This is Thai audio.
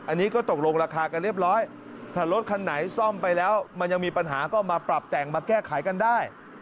อันนี้ก็ตกลงราคากันเรียบร้อยถ้ารถคันไหนซ่อมไปแล้วมันยังมีปัญหาก็มาปรับแต่งมาแก้ไขกันได้